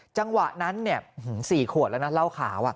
จังหวะนั้นเนี่ย๔ขวดแล้วนะเล่าขาวอะ